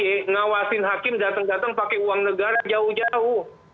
mengawasi hakim datang datang pakai uang negara jauh jauh